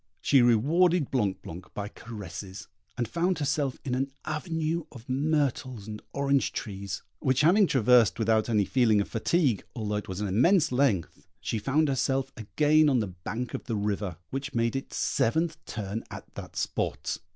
She rewarded Blanc blanc by caresses, and found herself in an avenue of myrtles and orange trees, which having traversed without any feeling of fatigue, although it was an immense length, she found herself again on the bank of the river, which made its seventh turn at that spot.